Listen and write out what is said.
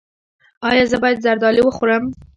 ایا زه باید زردالو وخورم؟